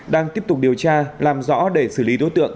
đang tiếp tục điều tra làm rõ để xử lý đối tượng